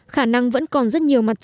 khả năng vẫn còn rất nhiều mặt trăng